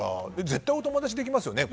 絶対お友達できますよね。